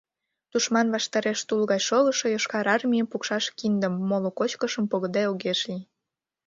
Тушман ваштареш тул гай шогышо Йошкар Армийым пукшаш киндым, моло кочкышым погыде огеш лий.